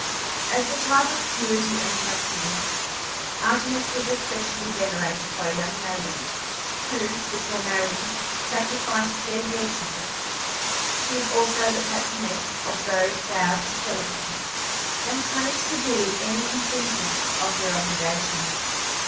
As the type of purity and chastity, Artemis was especially venerated by young maidens, who, before marrying, sacrificed their hair to her. She was also the patroness of those vowed to celibacy, and punished severely any infringement of their obligation.